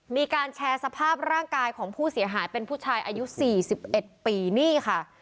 มีการแชร์สภาพร่างกายของผู้เสียหายเป็นผู้ชายอายุ๔๑ปีนี่ค่ะ